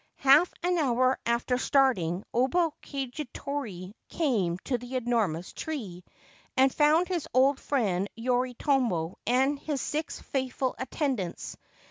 Half an hour after starting Oba Kagetoki came to the enormous tree, and found his old friend Yoritomo and his six faithful attendants.